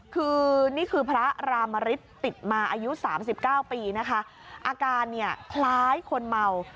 คือนี่คือพระรามริตติดมาอายุสามสิบเก้าปีนะคะอาการเนี่ยคล้ายคนเมา